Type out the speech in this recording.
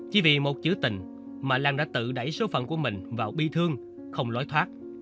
chỉ vì một chữ tình mà lan đã tự đẩy số phận của mình vào bi thương không lối thoát